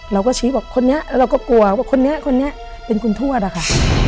เราก็ชี้บอกคนนี้เราก็กลัวว่าคนนี้คนนี้เป็นคุณทวดอะค่ะ